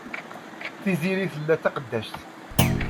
Tiziri tella d taqeddact.